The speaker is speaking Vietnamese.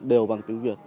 đều bằng tiếng việt